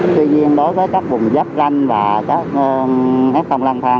tuy nhiên đối với các vùng giáp ranh và các hét không lang thang